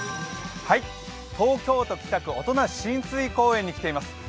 東京都北区音無親水公園に来ています。